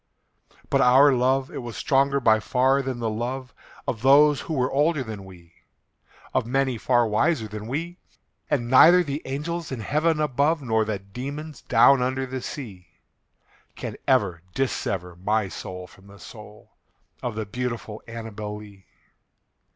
But our love it was stronger by far than the love Of those who were older than we Of many far wiser than we And neither the angels in heaven above, Nor the demons down under the sea, Can ever dissever my soul from the soul Of the beautiful ANNABEL LEE.